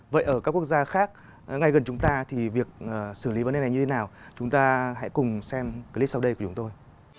vậy ở các quốc gia khác ngay gần chúng ta thì việc xử lý vấn đề này như thế nào chúng ta hãy cùng xem clip sau đây của chúng tôi